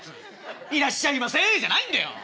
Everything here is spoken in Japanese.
「いらっしゃいませえ」じゃないんだよ。